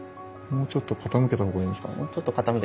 もうちょっと傾けた方がいいですね。